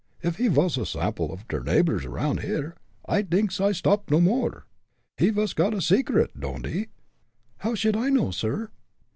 If he vas a sample off der neighbors around here, I dinks I stop no more. He vas got a segret, don'd he?" "How should I know, sir?"